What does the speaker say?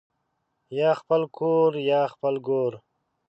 یا خپل کورریا خپل ګور